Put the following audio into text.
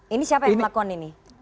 ini siapa yang melakukan ini